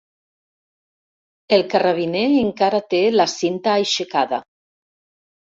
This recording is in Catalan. El carrabiner encara té la cinta aixecada.